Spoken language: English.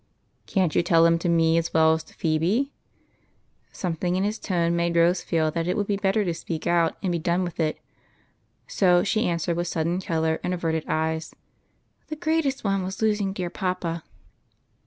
" Can't you tell them to me as well as to Phebe ?" Something in his tone made Rose feel that it would be better to speak out and be done with it, so she answered, with sudden color and averted eyes, —" The greatest one was losing dear papa."